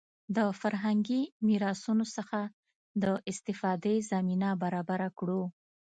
د فرهنګي میراثونو څخه د استفادې زمینه برابره کړو.